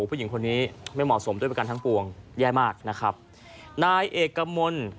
ผู้หญิงคนนี้ไม่เหมาะสมด้วยประกันทั้งปวงแย่มากนะครับนายเอกมล